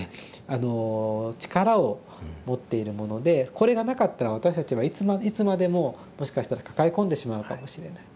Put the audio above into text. あの力を持っているものでこれがなかったら私たちはいつまでももしかしたら抱え込んでしまうかもしれない。